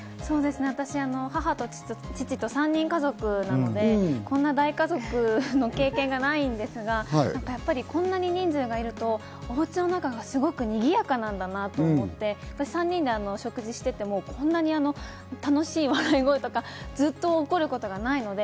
私、母と父と３人家族なので、こんな大家族の経験がないんですが、こんなに人数がいるとおうちの中がすごくにぎやかなんだなと思って、３人で食事していても、こんなに楽しい笑い声とか、ずっと怒ることがないので、